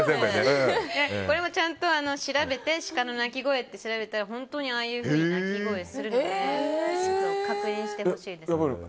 これもちゃんと調べてシカの鳴き声って調べたら本当にああいうふうな鳴き声をするので確認してほしいです。